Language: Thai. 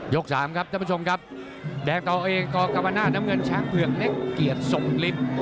สามครับท่านผู้ชมครับแดงต่อเองกกรรมนาศน้ำเงินช้างเผือกเล็กเกียรติทรงฤทธิ์